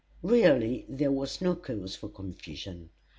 Really there was no cause for confusion.